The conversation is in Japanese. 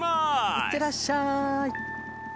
いってらっしゃい。